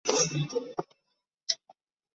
傅清于雍正元年授蓝翎侍卫。